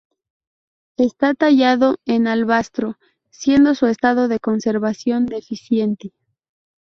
Está tallado en alabastro siendo su estado de conservación deficiente.